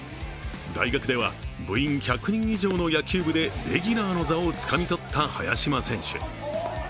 大学では部員１００人以上の野球部でレギュラーの座をつかみ取った早嶋選手。